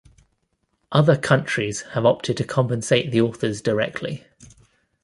Other countries have opted to compensate the authors directly.